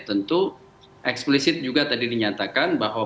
tentu eksplisit juga tadi dinyatakan bahwa